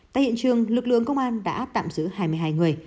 tại hiện trường lực lượng công an đã tạm giữ hai mươi hai người